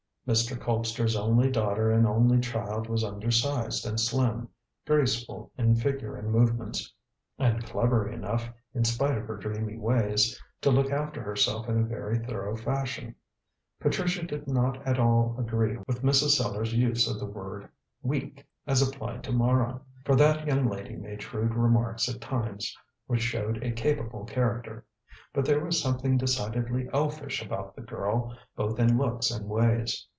Mr. Colpster's only daughter and only child was undersized and slim, graceful in figure and movements, and clever enough, in spite of her dreamy ways, to look after herself in a very thorough fashion. Patricia did not at all agree with Mrs. Sellars' use of the word "weak" as applied to Mara, for that young lady made shrewd remarks at times which showed a capable character. But there was something decidedly elfish about the girl, both in looks and ways.